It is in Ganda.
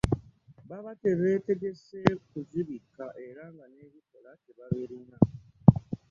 Baba tebeetegese kuzibikka era nga n’ebikoola tebabirina.